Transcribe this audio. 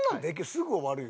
すぐ終わるよ。